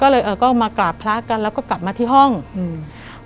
ก็เลยเออก็มากราบพระกันแล้วก็กลับมาที่ห้องอืม